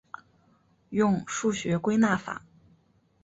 用数学归纳法。